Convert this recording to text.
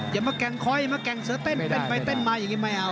อย่ามาแก่งคอยมาแก่งเสือเต้นเต้นไปเต้นมาอย่างนี้ไม่เอา